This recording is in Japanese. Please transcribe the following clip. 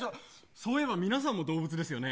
そういえば皆さんも動物ですよね。